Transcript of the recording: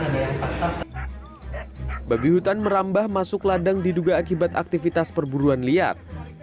tangan ada yang pasang babi hutan merambah masuk ladang diduga akibat aktivitas perburuan liar